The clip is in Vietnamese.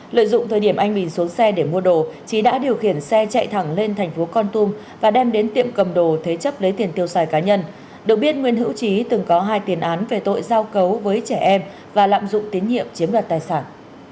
lợi dụng thời điểm anh bình xuống xe để mua đồ trí đã điều khiển xe chạy thẳng lên thành phố con tum và đem đến tiệm cầm đồ thế chấp lấy tiền tiêu xài cá nhân được biết nguyễn hữu trí từng có hai tiền án về tội giao cấu với trẻ em và lạm dụng tín nhiệm chiếm đoạt tài sản